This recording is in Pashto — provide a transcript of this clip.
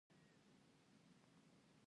انګور د افغانستان د شنو سیمو یوه ښکلا ده.